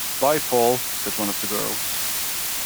“Bye, Paul,” said one of the girls.